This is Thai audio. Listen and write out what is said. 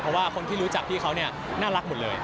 เพราะว่าคนที่รู้จักพี่เขาเนี่ยน่ารักหมดเลย